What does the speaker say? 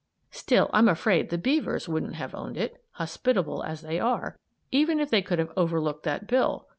Still I'm afraid the beavers wouldn't have owned it hospitable as they are even if they could have overlooked that bill.